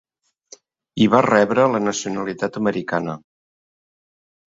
I va rebre la nacionalitat americana.